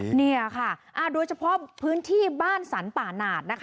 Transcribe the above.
เนี่ยค่ะโดยเฉพาะพื้นที่บ้านสรรป่าหนาดนะคะ